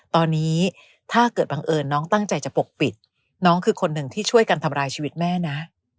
ตอนนี้ถ้าเกิดบังเอิญน้องตั้งใจจะปกปิดน้องคือคนหนึ่งที่ช่วยกันทำร้ายชีวิตแม่นะ